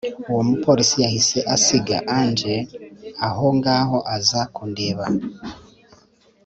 Uwo mupolisi yahise asiga angel aho ngaho aza kundeba